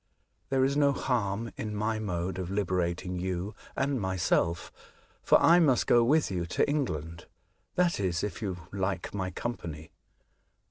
There is no harm in my mode of liberating you and myself. For I must go with you to England ; that is, if you like my company."